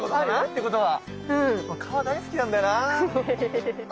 川大好きなんだよな。